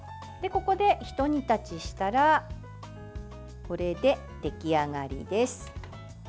ここで、ひと煮立ちしたらこれで出来上がりです。